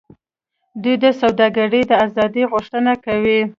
دوی د سوداګرۍ د آزادۍ غوښتنه کوي